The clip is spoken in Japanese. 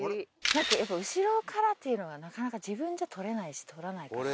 だってやっぱ後ろからっていうのがなかなか自分じゃ撮れないし撮らないから。